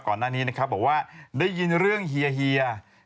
ก่อนหน้านี้ว่าได้ยินเรื่องเฮีย